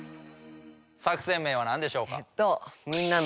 作戦名は何でしょうか？